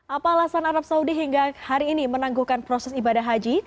apa alasan arab saudi hingga hari ini menangguhkan proses ibadah haji